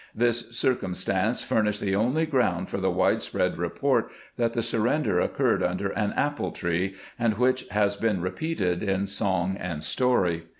This cir cumstance furnished the only ground for the wide spread report that the surrender occurred under an apple tree, and which has been repeated in song and story.